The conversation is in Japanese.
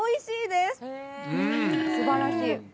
すばらしい。